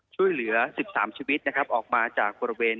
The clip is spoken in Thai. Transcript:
ช่วยเหลือ๑๓ชีวิตนะครับออกมาจากบริเวณ